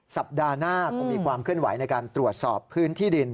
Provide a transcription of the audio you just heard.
สัปดาห์หน้าคงมีความเคลื่อนไหวในการตรวจสอบพื้นที่ดิน